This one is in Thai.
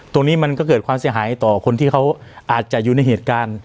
ตรงนี้มันก็เกิดความเสียหายต่อคนที่เขาอาจจะอยู่ในเหตุการณ์